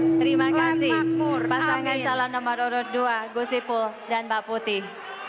terima kasih pasangan calon nomor urut dua gusipul dan mbak putih